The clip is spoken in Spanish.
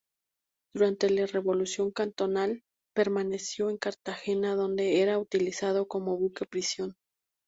Durante la revolución cantonal, permaneció en Cartagena donde era utilizado como buque prisión.